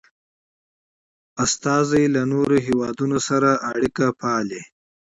ډيپلومات له نورو هېوادونو سره اړیکي پالي.